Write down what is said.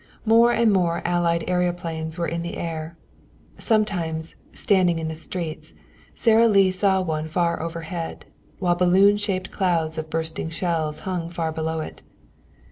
More and more Allied aëroplanes were in the air. Sometimes, standing in the streets, Sara Lee saw one far overhead, while balloon shaped clouds of bursting shells hung far below it.